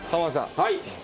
はい。